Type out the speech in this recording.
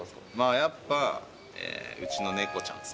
やっぱ、うちの猫ちゃんです